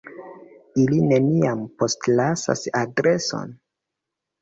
Ili neniam postlasas adreson?